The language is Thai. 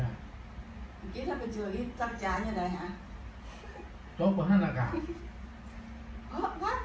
อันนี้ก็ไม่มีเจ้าพ่อหรอก